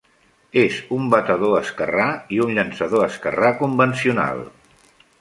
És un batedor esquerrà i un llançador esquerrà convencional.